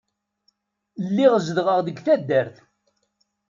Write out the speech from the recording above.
Lliɣ zedɣeɣ deg taddart.